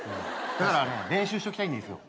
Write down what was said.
だからね練習しときたいんですよ。